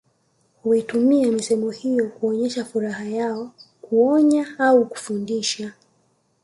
Huitumia misemo hiyo kuonyesha furaha yao kuonya au kufundisha